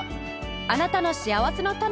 あなたのしあわせのたねは今どこに？